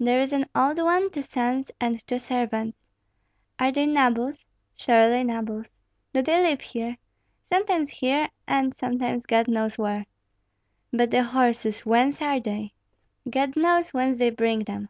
"There is an old one, two sons, and two servants." "Are they nobles?" "Surely nobles." "Do they live here?" "Sometimes here, and sometimes God knows where." "But the horses, whence are they?" "God knows whence they bring them."